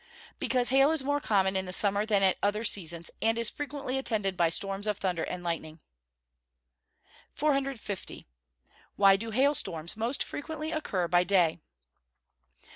_ Because hail is more common in the summer than at other seasons, and is frequently attended by storms of thunder and lightning. 450. _Why do hail storms most frequently occur by day?